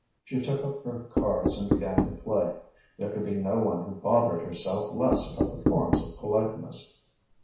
She took up her cards and began to play. There could be no one who bothered herself less about the forms of politeness.